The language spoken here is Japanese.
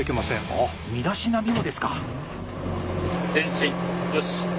あっ身だしなみもですか。